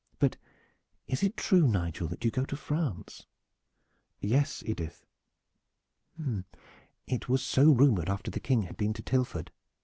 But is it true, Nigel, that you go to France?" "Yes, Edith." "It was so rumored after the King had been to Tilford.